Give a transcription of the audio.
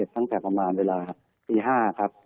ตั้งแต่ประมาณเวลาตี๕ครับ